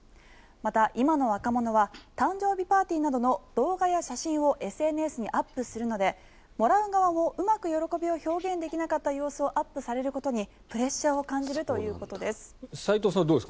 また、今の若者は誕生日パーティーなどの動画や写真をＳＮＳにアップするのでもらう側もうまく喜びを表現できなかった様子をアップされることにプレッシャーを感じるということです。